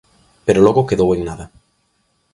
Pero logo quedou en nada.